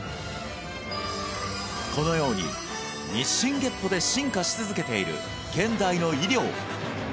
このように日進月歩で進化し続けている現代の医療